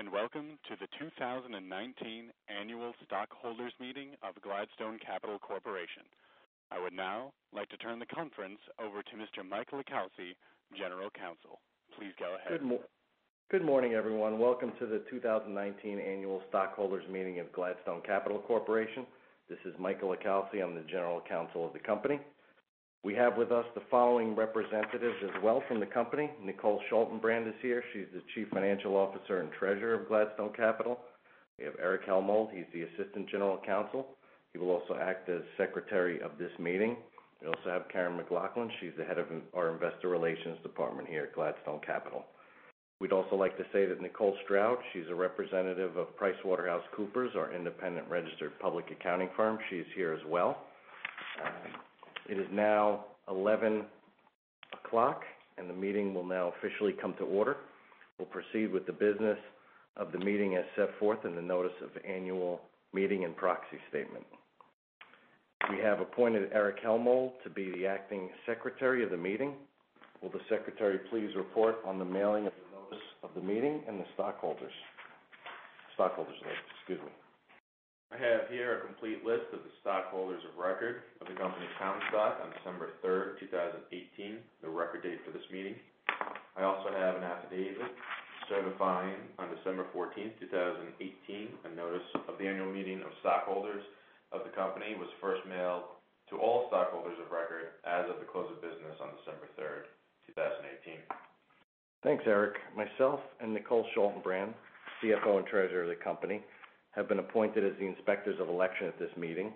Good day, welcome to the 2019 annual stockholders meeting of Gladstone Capital Corporation. I would now like to turn the conference over to Mr. Michael LiCalsi, General Counsel. Please go ahead. Good morning, everyone. Welcome to the 2019 annual stockholders meeting of Gladstone Capital Corporation. This is Michael LiCalsi. I'm the General Counsel of the company. We have with us the following representatives as well from the company. Nicole Schaltenbrand is here. She's the Chief Financial Officer and Treasurer of Gladstone Capital. We have Erich Hellmold. He's the Assistant General Counsel. He will also act as Secretary of this meeting. We also have Karen McLaughlin. She's the head of our Investor Relations department here at Gladstone Capital. We'd also like to say that Nicole Stroud, she's a representative of PricewaterhouseCoopers, our independent registered public accounting firm. She's here as well. It is now 11 o'clock, and the meeting will now officially come to order. We'll proceed with the business of the meeting as set forth in the notice of the annual meeting and proxy statement. We have appointed Erich Hellmold to be the acting Secretary of the meeting. Will the Secretary please report on the mailing of the notice of the meeting and the stockholders list? I have here a complete list of the stockholders of record of the company common stock on December 3rd, 2018, the record date for this meeting. I also have an affidavit certifying on December 14th, 2018, a notice of the annual meeting of stockholders of the company was first mailed to all stockholders of record as of the close of business on December 3rd, 2018. Thanks, Erich. Myself and Nicole Schaltenbrand, CFO and Treasurer of the company, have been appointed as the Inspectors of Election at this meeting.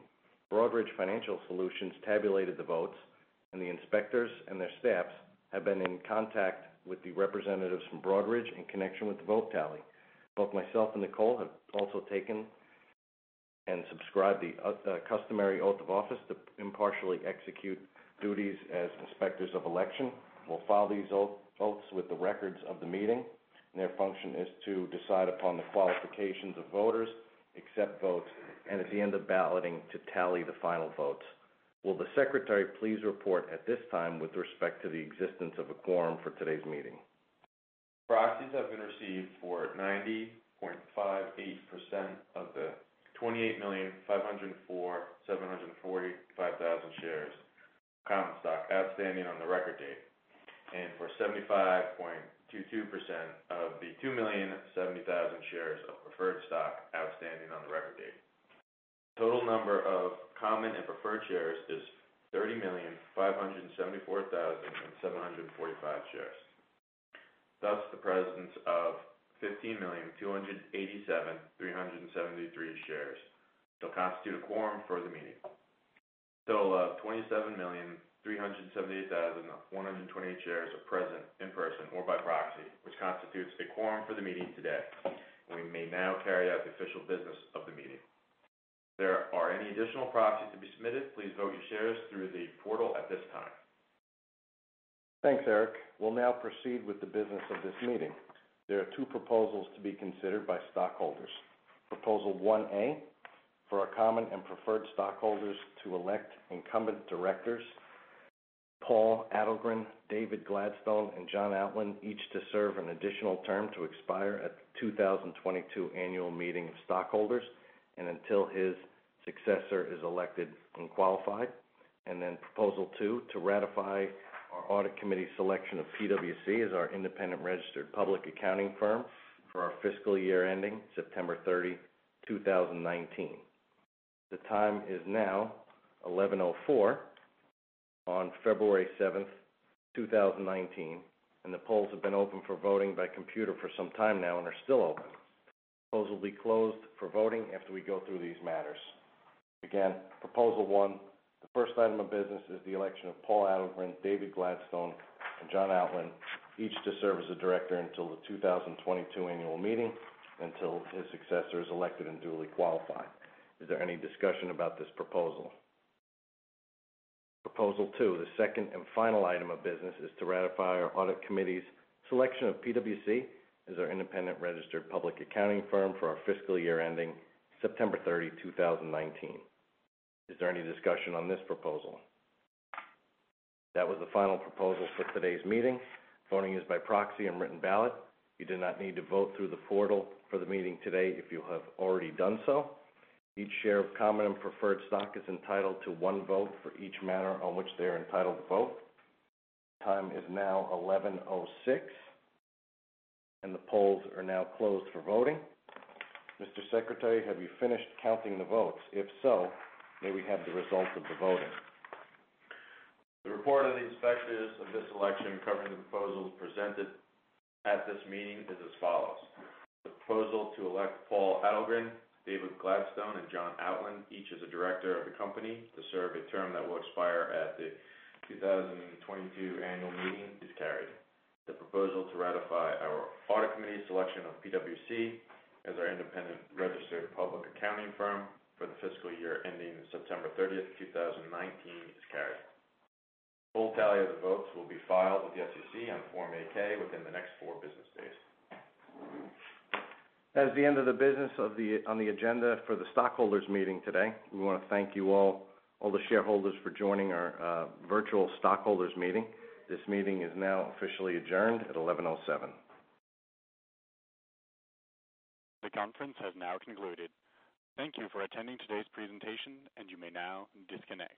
Broadridge Financial Solutions tabulated the votes, and the inspectors and their staffs have been in contact with the representatives from Broadridge in connection with the vote tally. Both myself and Nicole have also taken and subscribed the customary oath of office to impartially execute duties as Inspectors of Election. We'll file these oaths with the records of the meeting. Their function is to decide upon the qualifications of voters, accept votes, and at the end of balloting, to tally the final votes. Will the Secretary please report at this time with respect to the existence of a quorum for today's meeting? Proxies have been received for 90.58% of the 28,504,745 shares of common stock outstanding on the record date, and for 75.22% of the 2,070,000 shares of preferred stock outstanding on the record date. Total number of common and preferred shares is 30,574,745 shares. Thus, the presence of 15,287,373 shares shall constitute a quorum for the meeting. 27,378,128 shares are present in person or by proxy, which constitutes a quorum for the meeting today. We may now carry out the official business of the meeting. If there are any additional proxies to be submitted, please vote your shares through the portal at this time. Thanks, Erich. We'll now proceed with the business of this meeting. There are two proposals to be considered by stockholders. Proposal 1A, for our common and preferred stockholders to elect incumbent directors, Paul Adelgren, David Gladstone, and John Outland, each to serve an additional term to expire at the 2022 annual meeting of stockholders, and until his successor is elected and qualified. Proposal 2, to ratify our Audit Committee selection of PwC as our independent registered public accounting firm for our fiscal year ending September 30, 2019. The time is now 11:04 A.M. on February 7th, 2019, and the polls have been open for voting by computer for some time now and are still open. The polls will be closed for voting after we go through these matters. Again, Proposal 1, the first item of business is the election of Paul Adelgren, David Gladstone, and John Outland, each to serve as a director until the 2022 annual meeting, until his successor is elected and duly qualified. Is there any discussion about this proposal? Proposal 2, the second and final item of business is to ratify our Audit Committee's selection of PwC as our independent registered public accounting firm for our fiscal year ending September 30, 2019. Is there any discussion on this proposal? That was the final proposal for today's meeting. Voting is by proxy and written ballot. You do not need to vote through the portal for the meeting today if you have already done so. Each share of common and preferred stock is entitled to one vote for each matter on which they are entitled to vote. The time is now 11:06. The polls are now closed for voting. Mr. Secretary, have you finished counting the votes? If so, may we have the results of the voting? The report of the inspectors of this election covering the proposals presented at this meeting is as follows. The proposal to elect Paul Adelgren, David Gladstone, and John Outland, each as a director of the company to serve a term that will expire at the 2022 annual meeting is carried. The proposal to ratify our Audit Committee selection of PwC as our independent registered public accounting firm for the fiscal year ending September 30th, 2019, is carried. Full tally of the votes will be filed with the SEC on Form 8-K within the next four business days. That is the end of the business on the agenda for the stockholders meeting today. We want to thank you all the shareholders for joining our virtual stockholders meeting. This meeting is now officially adjourned at 11:07. The conference has now concluded. Thank you for attending today's presentation. You may now disconnect.